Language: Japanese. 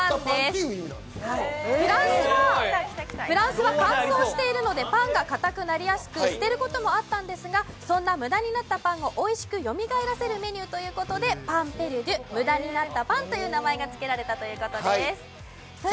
フランスは乾燥しているのでパンが固くなりやすく捨てることもあったんですが、そんな無駄になったパンをおいしくよみがえらせるメニューということで、パン・ペルデュ、無駄になったパンという名前がつけられたということです。